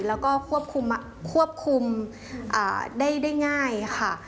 แล้วก็ควบคุมได้ง่ายค่ะ